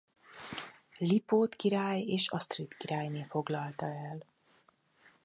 Lipót király és Asztrid királyné foglalta el.